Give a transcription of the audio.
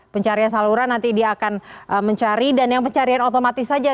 pencarian saluran nanti dia akan mencari dan yang pencarian otomatis saja